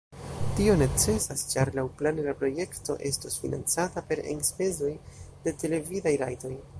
Tio necesas, ĉar laŭplane la projekto estos financata per enspezoj de televidaj rajtoj.